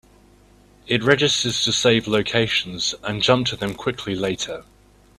It registers to save locations and jump to them quickly later.